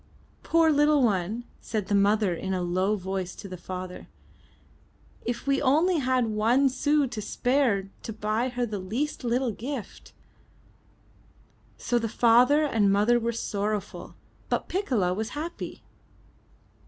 'Toor little one/* said the mother in a low voice to the father, if we only had one sou to spare to buy her the least little gift/* So the father and mother were sorrowful, but Piccola was happy.